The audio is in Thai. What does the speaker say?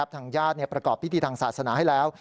ทางญาติประกอบพิธีทางศาสนาให้แล้ว